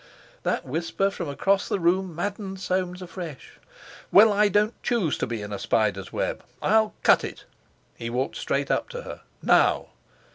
That whisper from across the room maddened Soames afresh. "Well, I don't choose to be in a spider's web. I'll cut it." He walked straight up to her. "Now!"